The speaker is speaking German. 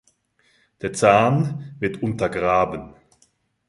Der Zahn wird "untergraben".